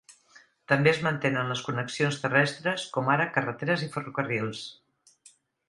També es mantenen les connexions terrestres, com ara carreteres i ferrocarrils.